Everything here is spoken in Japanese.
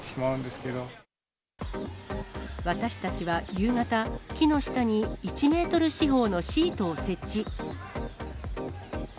けれ私たちは夕方、木の下に１メートル四方のシートを設置。